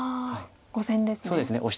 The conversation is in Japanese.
５線ですね。